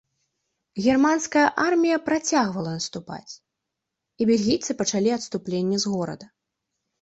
Германская армія працягвала наступаць, і бельгійцы пачалі адступленне з горада.